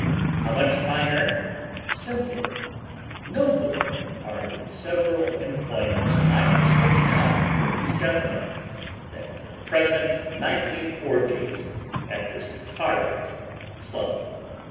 How much finer, simpler, nobler are the several employments I have sketched out for these gentlemen than their present nightly orgies at the horrid Club.